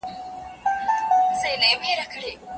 مدیتیشن د فکري تمرکز لاره ده.